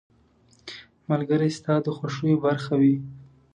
• ملګری ستا د خوښیو برخه وي.